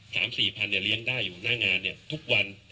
สามสี่พันเนี่ยเลี้ยงได้อยู่หน้างานเนี่ยทุกวัน